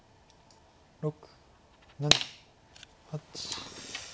６７８。